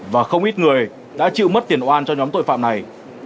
và không ít người đã chịu mất tiền oan cho nhóm tội phạm này